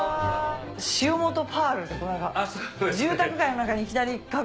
シオモトパールって住宅街の中にいきなり。